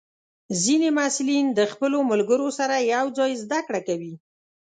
ځینې محصلین د خپلو ملګرو سره یوځای زده کړه کوي.